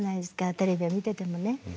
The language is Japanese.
テレビを見ててもね。